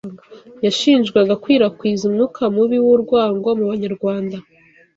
yashinjwaga kwirakwiza umwuka mubi w’urwango mu Banyarwanda